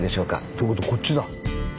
ということはこっちだ。